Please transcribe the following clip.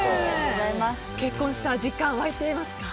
結婚した実感は湧いていますか？